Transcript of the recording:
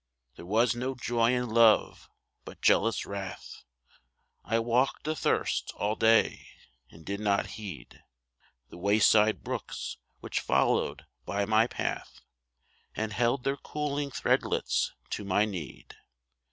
There was no joy in love, but jealous wrath ; I walked athirst all day, and did not heed The wayside brooks which followed by my path And held their cooling threadlets to my need.